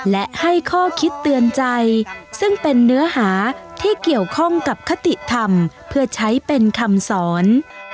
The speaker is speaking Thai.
และให้ข้อคิดเตือนใจซึ่งเป็นเนื้อหาที่เกี่ยวข้องกับคติธรรมเพื่อใช้เป็นคำสอน